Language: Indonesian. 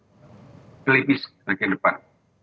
jadi itu adalah hal yang sangat penting untuk kita lihat di depan